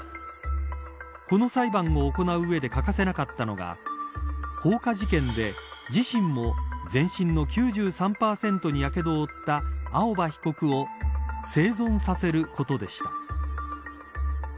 この裁判を行う上で欠かせなかったのが放火事件で自身も全身の９３％にやけどを負った青葉被告を生存させることでした。